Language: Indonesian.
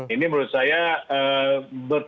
ini menurut saya bertentangan